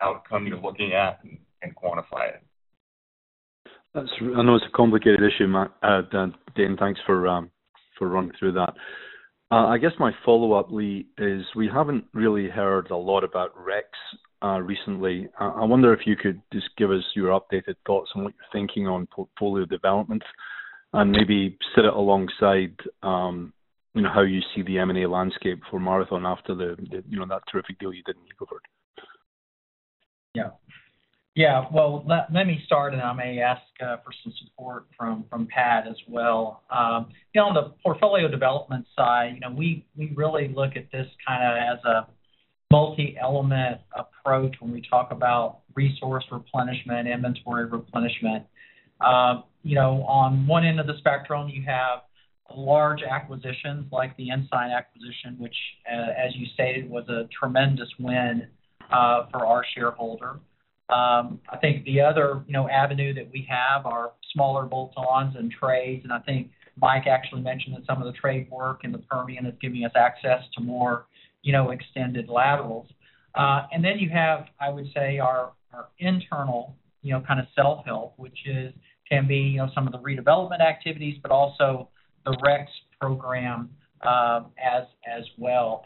outcome you're looking at and quantify it. That's, I know it's a complicated issue, Dan. Thanks for running through that. I guess my follow-up, Lee, is we haven't really heard a lot about REX recently. I wonder if you could just give us your updated thoughts on what you're thinking on portfolio development and maybe set it alongside, you know, how you see the M&A landscape for Marathon after the, you know, that terrific deal you did in Eagle Ford? Yeah. Yeah. Well, let, let me start. I may ask for some support from, from Pat as well. You know, on the portfolio development side, you know, we, we really look at this kinda as a multi-element approach when we talk about resource replenishment, inventory replenishment. You know, on one end of the spectrum, you have...... large acquisitions like the Ensign acquisition, which, as you stated, was a tremendous win for our shareholder. I think the other, you know, avenue that we have are smaller bolt-ons and trades, and I think Mike actually mentioned that some of the trade work in the Permian is giving us access to more, you know, extended laterals. Then you have, I would say, our, our internal, you know, kind of self-help, which is, can be, you know, some of the redevelopment activities, but also the REX program, as well.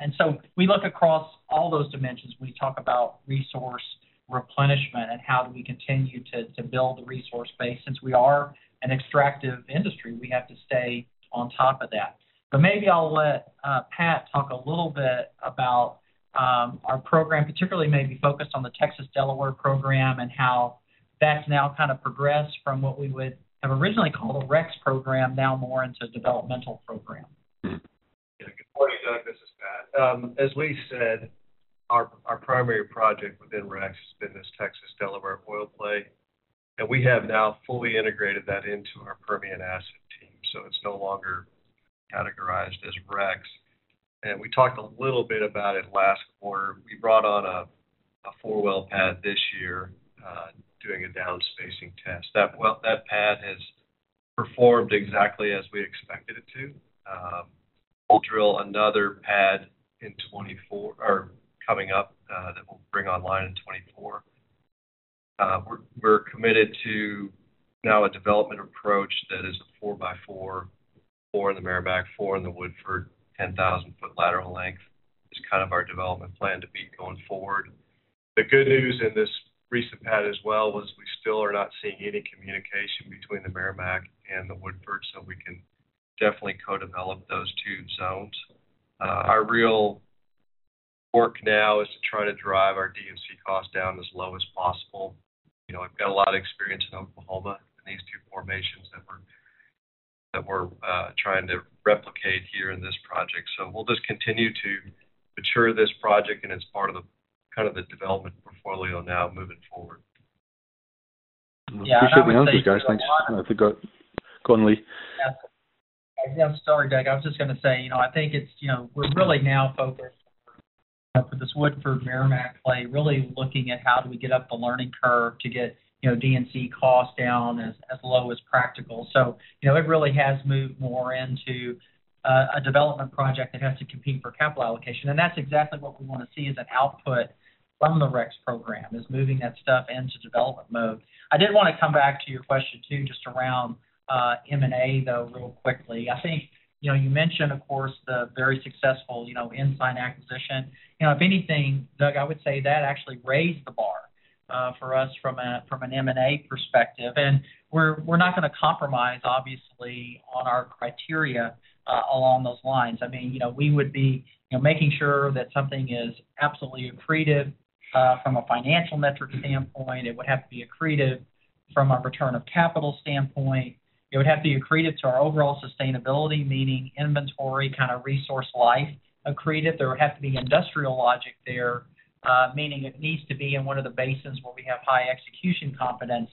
We look across all those dimensions. We talk about resource replenishment and how do we continue to, to build the resource base. Since we are an extractive industry, we have to stay on top of that. Maybe I'll let, Pat talk a little bit about, our program, particularly maybe focused on the Texas-Delaware program and how that's now kind of progressed from what we would have originally called a REX program, now more into a developmental program. Yeah. Good morning, Doug. This is Pat. As Lee said, our primary project within REX has been this Texas-Delaware oil play. We have now fully integrated that into our Permian asset team, so it's no longer categorized as REX. We talked a little bit about it last quarter. We brought on a 4-well pad this year, doing a downspacing test. That pad has performed exactly as we expected it to. We'll drill another pad in 2024 or coming up that we'll bring online in 2024. We're committed to now a development approach that is a 4-by-4, 4 in the Meramec, 4 in the Woodford, 10,000 foot lateral length. It's kind of our development plan to beat going forward. The good news in this recent pad as well, was we still are not seeing any communication between the Meramec and the Woodford. We can definitely co-develop those two zones. Our real work now is to try to drive our DNC cost down as low as possible. You know, I've got a lot of experience in Oklahoma in these two formations that we're trying to replicate here in this project. We'll just continue to mature this project, and it's part of the, kind of the development portfolio now moving forward. Yeah, I would say- Appreciate the answers, guys. Thanks. I forgot. Go on, Lee. Yeah. I'm sorry, Doug. I was just gonna say, you know, I think it's, you know, we're really now focused on for this Woodford Meramec play, really looking at how do we get up the learning curve to get, you know, DNC costs down as, as low as practical. You know, it really has moved more into a development project that has to compete for capital allocation, and that's exactly what we wanna see as an output from the REX program, is moving that stuff into development mode. I did wanna come back to your question, too, just around M&A, though, real quickly. I think, you know, you mentioned, of course, the very successful, you know, Ensign acquisition. You know, if anything, Doug, I would say that actually raised the bar for us from a, from an M&A perspective, and we're, we're not gonna compromise, obviously, on our criteria along those lines. I mean, you know, we would be, you know, making sure that something is absolutely accretive from a financial metric standpoint. It would have to be accretive from a return of capital standpoint. It would have to be accretive to our overall sustainability, meaning inventory, kind of resource life accretive. There would have to be industrial logic there, meaning it needs to be in one of the basins where we have high execution confidence.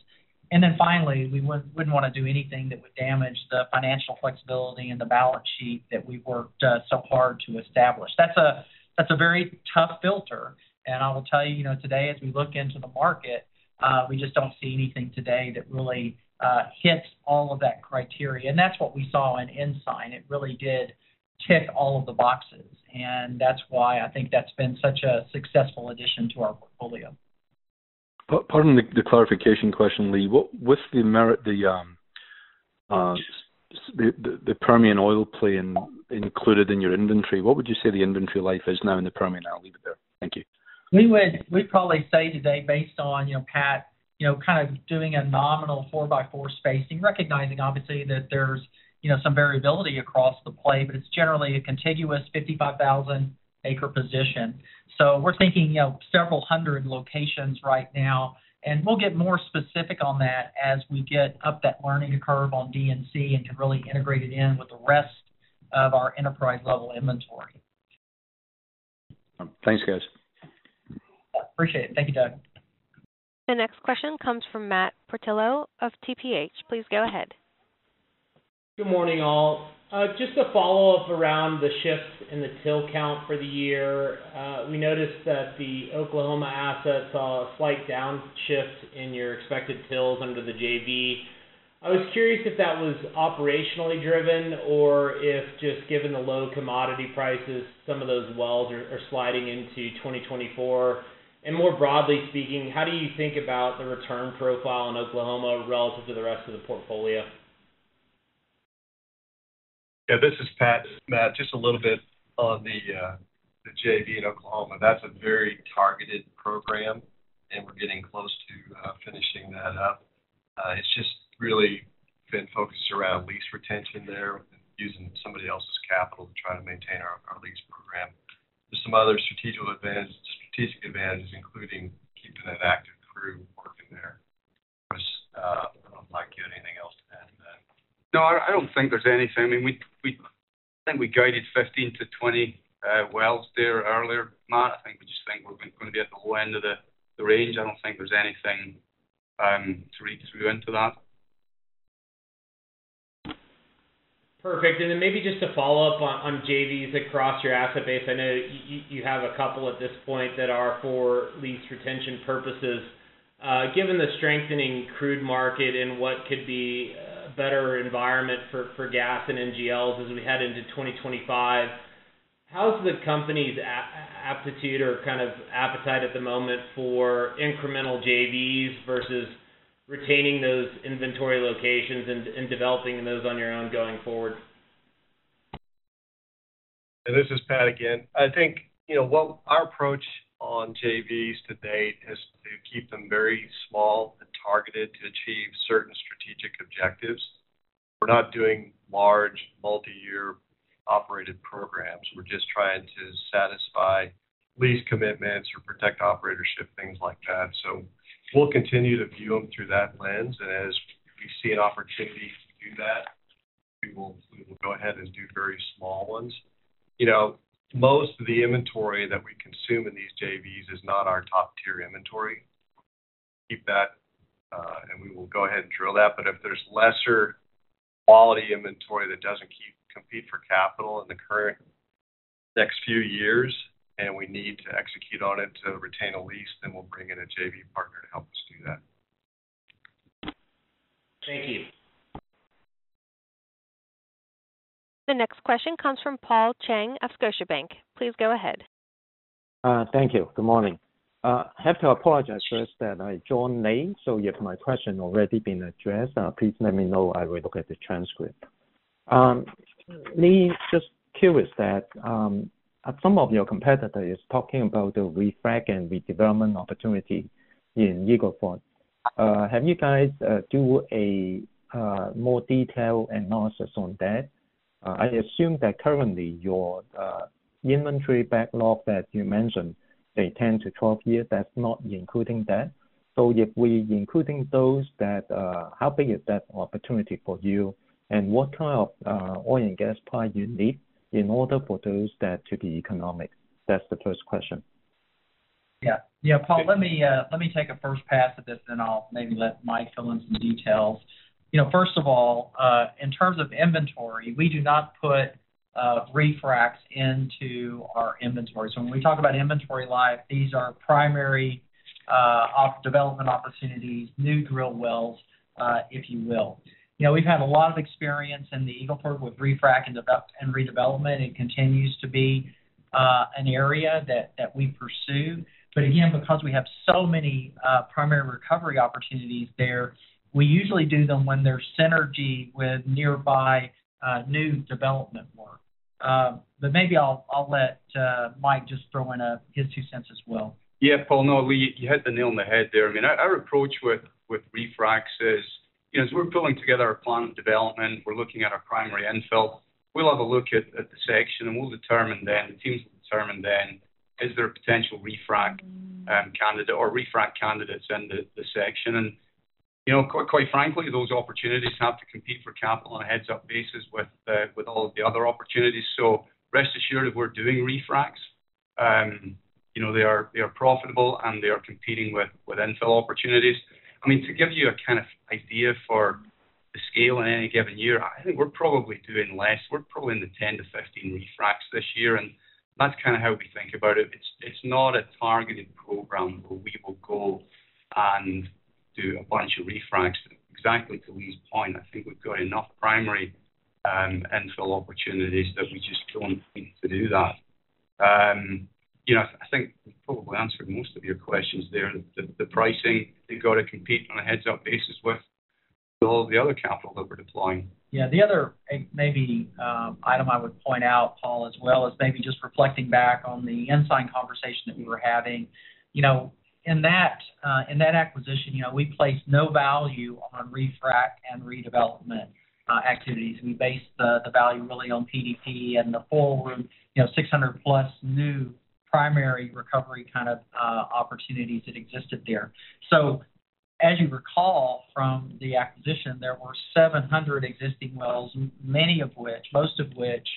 Finally, we wouldn't, wouldn't wanna do anything that would damage the financial flexibility and the balance sheet that we've worked so hard to establish. That's a, that's a very tough filter, and I will tell you, you know, today, as we look into the market, we just don't see anything today that really hits all of that criteria. That's what we saw in Ensign. It really did tick all of the boxes, and that's why I think that's been such a successful addition to our portfolio. Pardon the, the clarification question, Lee. What, what's the merit the, the Permian oil play included in your inventory, what would you say the inventory life is now in the Permian? I'll leave it there. Thank you. We'd probably say today, based on, you know, Pat, you know, kind of doing a nominal four-by-four spacing, recognizing obviously that there's, you know, some variability across the play, but it's generally a contiguous 55,000 acre position. We're thinking, you know, several hundred locations right now, and we'll get more specific on that as we get up that learning curve on DNC and can really integrate it in with the rest of our enterprise-level inventory. Thanks, guys. Appreciate it. Thank you, Doug. The next question comes from Matthew Portillo of TPH. Please go ahead. Good morning, all. Just to follow up around the shifts in the till count for the year, we noticed that the Oklahoma assets saw a slight downshift in your expected tills under the JV. I was curious if that was operationally driven or if just given the low commodity prices, some of those wells are sliding into 2024. More broadly speaking, how do you think about the return profile in Oklahoma relative to the rest of the portfolio? Yeah, this is Pat. Matt, just a little bit on the, the JV in Oklahoma. That's a very targeted program, and we're getting close to finishing that up. It's just really been focused around lease retention there, using somebody else's capital to try to maintain our, our lease program. There's some other strategic advantage-- strategic advantages, including keeping an active crew working there. Of course, I don't know, Mike, you have anything else to add to that? No, I, I don't think there's anything. I mean, we, we keep-... I think we guided 15-20 wells there earlier, Matt. I think we just think we're gonna be at the low end of the, the range. I don't think there's anything to read through into that. Perfect. Then maybe just to follow up on, on JVs across your asset base. I know you have a couple at this point that are for lease retention purposes. Given the strengthening crude market and what could be a better environment for, for gas and NGLs as we head into 2025, how's the company's aptitude or kind of appetite at the moment for incremental JVs versus retaining those inventory locations and, and developing those on your own going forward? This is Pat again. I think, you know, what our approach on JVs to date is to keep them very small and targeted to achieve certain strategic objectives. We're not doing large, multi-year operated programs. We're just trying to satisfy lease commitments or protect operatorship, things like that. We'll continue to view them through that lens, and as we see an opportunity to do that, we will, we will go ahead and do very small ones. You know, most of the inventory that we consume in these JVs is not our top-tier inventory. Keep that, and we will go ahead and drill that. If there's lesser quality inventory that doesn't compete for capital in the current next few years, and we need to execute on it to retain a lease, then we'll bring in a JV partner to help us do that. Thank you. The next question comes from Paul Cheng of Scotiabank. Please go ahead. Thank you. Good morning. I have to apologize first that I joined late, so if my question already been addressed, please let me know. I will look at the transcript. Lee, just curious that, some of your competitors talking about the refrack and redevelopment opportunity in Eagle Ford. Have you guys, do a, more detailed analysis on that? I assume that currently your, inventory backlog that you mentioned, say, 10-12 years, that's not including that. So if we including those that, how big is that opportunity for you? What kind of, oil and gas price you need in order for those that to be economic? That's the first question. Yeah. Yeah, Paul, let me let me take a first pass at this, then I'll maybe let Mike fill in some details. You know, first of all, in terms of inventory, we do not put refracks into our inventory. When we talk about inventory life, these are primary development opportunities, new drill wells, if you will. You know, we've had a lot of experience in the Eagle Ford with refrack and redevelopment. It continues to be an area that, that we pursue. Again, because we have so many primary recovery opportunities there, we usually do them when they're synergy with nearby new development work. Maybe I'll, I'll let Mike just throw in his 2 cents as well. Yeah, Paul. No, you hit the nail on the head there. I mean, our, our approach with, with refracks is, you know, as we're pulling together our plan development, we're looking at our primary infill. We'll have a look at, at the section, and we'll determine then, is there a potential refrack candidate or refrack candidates in the, the section. And, you know, quite frankly, those opportunities have to compete for capital on a heads-up basis with, with all of the other opportunities. So rest assured that we're doing refracks. You know, they are, they are profitable, and they are competing with, with infill opportunities. I mean, to give you a kind of idea for the scale in any given year, I think we're probably doing less. We're probably in the 10-15 refracks this year, and that's kind of how we think about it. It's not a targeted program, where we will go and do a bunch of refracks. Exactly to Lee's point, I think we've got enough primary infill opportunities that we just don't need to do that. You know, I think we've probably answered most of your questions there. The pricing, they've got to compete on a heads-up basis with all the other capital that we're deploying. Yeah, the other, maybe, item I would point out, Paul, as well, is maybe just reflecting back on the Ensign conversation that we were having. You know, in that, in that acquisition, you know, we placed no value on refrack and redevelopment, activities. We based the, the value really on PDP and the whole room, you know, 600+ new primary recovery kind of, opportunities that existed there. So as you recall from the acquisition, there were 700 existing wells, many of which, most of which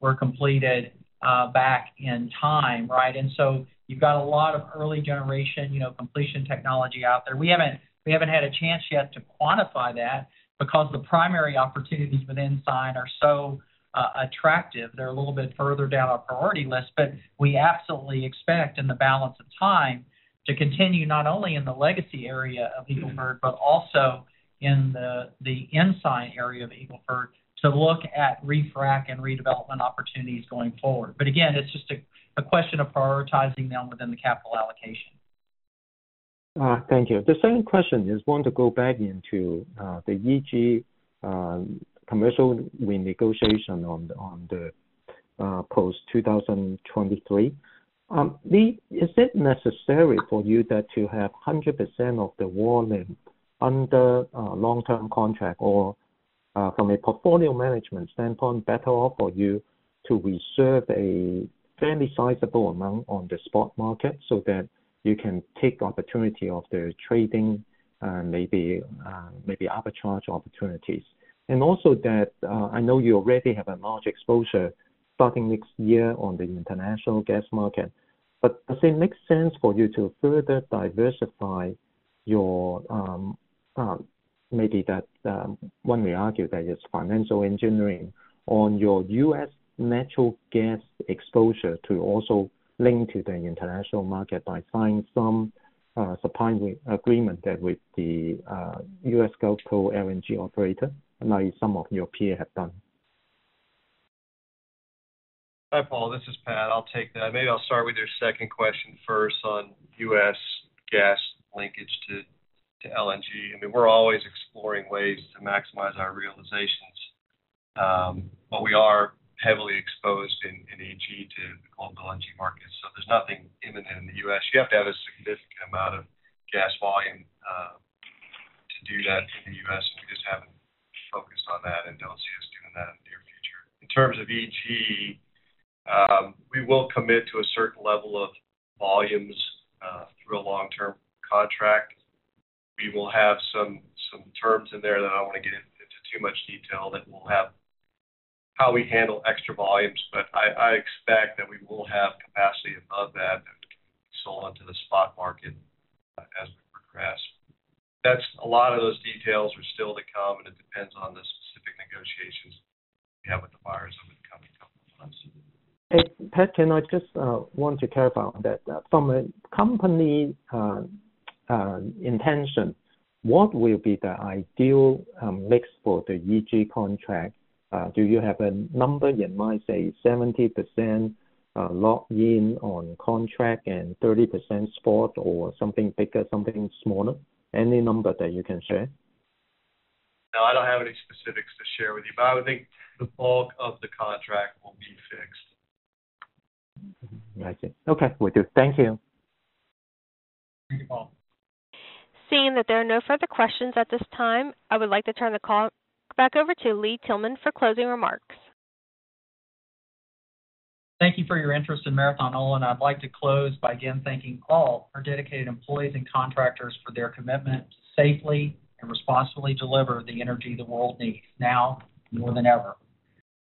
were completed, back in time, right? And so you've got a lot of early generation, you know, completion technology out there. We haven't, we haven't had a chance yet to quantify that because the primary opportunities with Ensign are so, attractive. They're a little bit further down our priority list. We absolutely expect in the balance of time to continue, not only in the legacy area of Eagle Ford, but also in the, the Ensign area of Eagle Ford, to look at refrack and redevelopment opportunities going forward. Again, it's just a, a question of prioritizing them within the capital allocation. Thank you. The second question is want to go back into the EG commercial renegotiation on the, on the, post 2023. Lee, is it necessary for you that to have 100% of the volume under long-term contract? Or, from a portfolio management standpoint, better off for you to reserve a fairly sizable amount on the spot market so that you can take opportunity of the trading, maybe, maybe arbitrage opportunities. Also that, I know you already have a large exposure starting next year on the international gas market. Does it make sense for you to further diversify your, maybe that, one may argue that it's financial engineering on your U.S. natural gas exposure to also link to the international market by signing some supplying agreement that with the U.S. Gulf Coast LNG operator, like some of your peer have done? Hi, Paul, this is Pat. I'll take that. Maybe I'll start with your second question first on U.S. gas linkage to LNG. I mean, we're always exploring ways to maximize our realizations. We are heavily exposed in EG to the global LNG market, so there's nothing imminent in the U.S. You have to have a significant amount of gas volume to do that in the U.S., and we just haven't focused on that and don't see us doing that in the near future. In terms of EG, we will commit to a certain level of volumes through a long-term contract. We will have some, some terms in there that I don't want to get into too much detail, that will have how we handle extra volumes. I expect that we will have capacity above that sold into the spot market as we progress. That's a lot of those details are still to come. It depends on the specific negotiations we have with the buyers over the coming couple of months. Hey, Pat, can I just want to clarify that from a company intention, what will be the ideal mix for the EG contract? Do you have a number in mind, say 70% locked in on contract and 30% spot, or something bigger, something smaller? Any number that you can share? No, I don't have any specifics to share with you, but I would think the bulk of the contract will be fixed. I see. Okay, will do. Thank you. Thank you, Paul. Seeing that there are no further questions at this time, I would like to turn the call back over to Lee Tillman for closing remarks. Thank you for your interest in Marathon Oil, and I'd like to close by again thanking all our dedicated employees and contractors for their commitment to safely and responsibly deliver the energy the world needs now more than ever.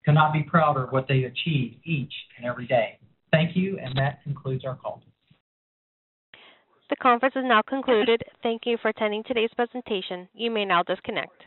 Could not be prouder of what they achieve each and every day. Thank you, and that concludes our call. The conference is now concluded. Thank you for attending today's presentation. You may now disconnect.